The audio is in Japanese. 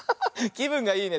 きぶんがいいね。